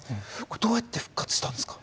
どうやって復活したんですか？